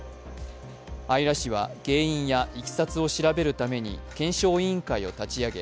姶良市は原因やいきさつを調べるために検証委員会を立ち上げ